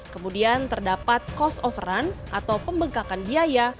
kemudian terdapat cost of run atau pembengkakan biaya